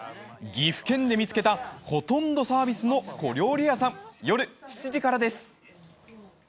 岐阜県で見つけたほとんどサービスの小料理屋さん。